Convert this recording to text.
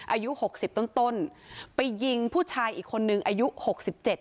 อายุหกสิบต้นต้นไปยิงผู้ชายอีกคนนึงอายุหกสิบเจ็ด